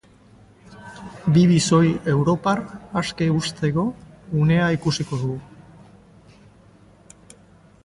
Bi bisoi europar aske uzteko unea ikusiko dugu.